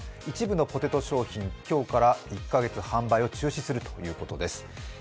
一部のポテト商品、今日から１カ月、販売を中止するということです。